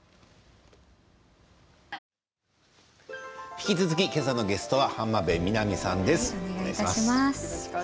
引き続きけさのゲストは浜辺美波さんです。